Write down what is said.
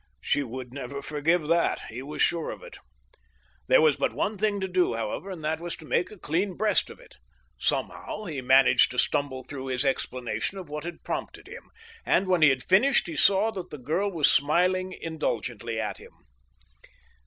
She would never forgive that—he was sure of it. There was but one thing to do, however, and that was to make a clean breast of it. Somehow, he managed to stumble through his explanation of what had prompted him, and when he had finished he saw that the girl was smiling indulgently at him.